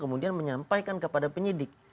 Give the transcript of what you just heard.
kemudian menyampaikan kepada penyidik